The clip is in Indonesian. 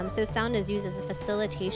jadi bunyi digunakan sebagai fasilitas